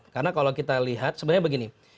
karena kalau kita lihat sebenarnya begini